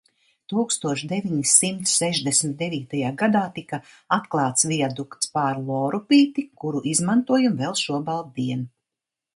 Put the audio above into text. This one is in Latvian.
Tūkstoš deviņsimt sešdesmit devītajā gadā tika atklāts viadukts pār Lorupīti, kuru izmantojam vēl šobaltdien.